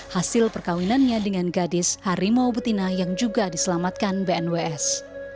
hasil perkawinannya dengan gadis harimau betina yang juga diselamatkan bnws